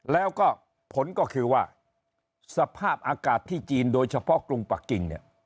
แล้วก็ผลก็คือว่าสภาพอากาศที่จีนโดยเฉพาะกรุงปะกิ่งเนี่ย